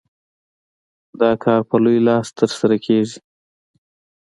دا کار په لوی لاس ترسره کېږي.